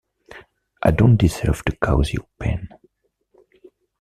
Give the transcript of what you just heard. I don't deserve to cause you pain.